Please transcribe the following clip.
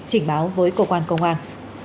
chỉnh báo với cơ quan công an